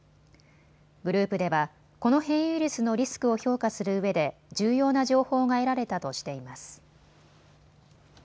グループではこの変異ウイルスのリスクを評価するうえで重要な情報が得られたとしています。